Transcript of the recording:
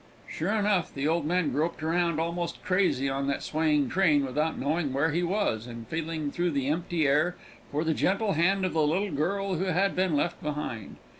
Sure enough, the old man groped around almost crazy on that swaying train, without knowing where he was, and feeling through the empty air for the gentle hand of the little girl who had been left behind.